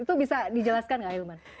itu bisa dijelaskan gak ilman